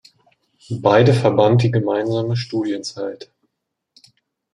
Beide verband die gemeinsame Studienzeit.